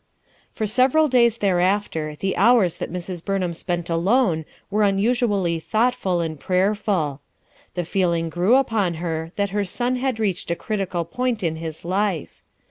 For several days thereafter the hours that Mrs. Burnham spent alone were unusually thoughtful and prayerful. The feeling grew upon her that her son had reached a critical point in his life.